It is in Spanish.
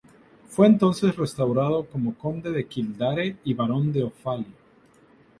Fue entonces restaurado como Conde de Kildare y Barón de Offaly.